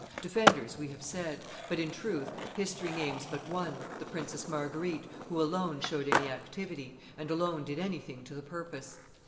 Defenders, we have said; but, in truth, history names but one, the Princess Marguerite, who alone showed any activity, and alone did anything to the purpose.